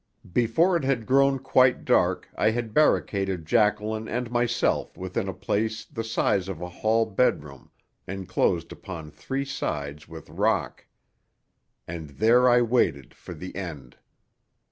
Before it had grown quite dark I had barricaded Jacqueline and myself within a place the size of a hall bedroom enclosed upon three sides with rock. And there I waited for the end.